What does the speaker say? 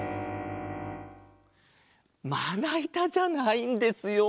まないたじゃないんですよ。